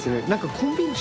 コンビーフ